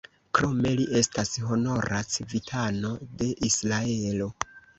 Krome li estas honora civitano de Israelo.